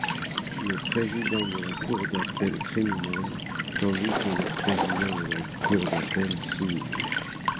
Le préside la cour d'appel criminelle, tandis que le préside la cour d'appel civile.